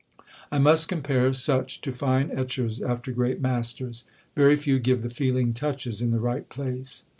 I must compare such to fine etchers after great masters: very few give the feeling touches in the right place.